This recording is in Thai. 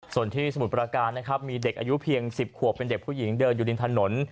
ส่วนที่สมุทรประการนะครับมีเด็กอายุเพียง๑๐ขวบเป็นเด็กผู้หญิงเดินอยู่ริมถนน